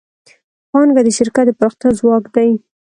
پانګه د شرکت د پراختیا ځواک دی.